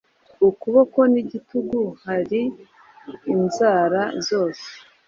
Ukuboko nigitugu hari inzara zose